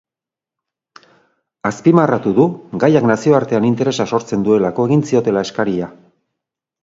Azpimarratu du, gaiak nazioartean interesa sortzen duelako egin ziotela eskaria.